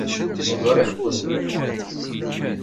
Ẓriɣ-ken din.